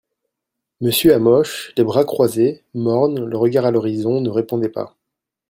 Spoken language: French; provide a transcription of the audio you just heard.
Monsieur Hamoche, les bras croises, morne, le regard a l'horizon, ne répondait pas.